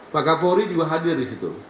pak kapolri juga hadir disitu